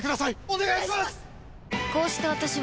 お願いします！